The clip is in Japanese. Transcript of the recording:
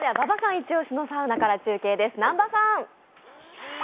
一押しのサウナから中継です。